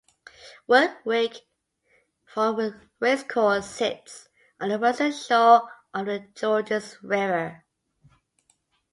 Warwick Farm Racecourse sits on the western shore of the Georges River.